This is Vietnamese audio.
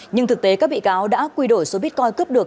nhưng thực tế các bị cáo đã quy đổi số bitcoin cướp được